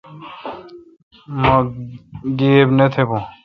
مہ گیب نہ تھون